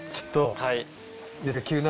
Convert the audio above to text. はい。